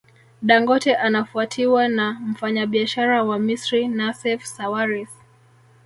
Dangote anafuatiwa na mfanyabiashara wa Misri Nassef Sawaris